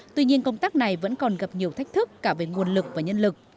tuy nhiên công tác này vẫn còn gặp nhiều thách thức cả về nguồn lực và nhân lực